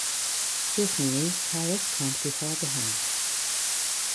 Certainly, Kharis can't be far behind.